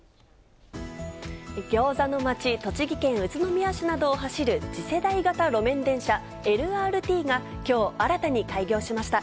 ギョーザの街、栃木県宇都宮市などを走る次世代型路面電車、ＬＲＴがきょう、新たに開業しました。